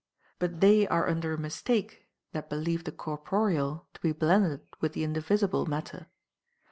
But they are under a mistake that believe the corporeal to be blended with the indivisible matter.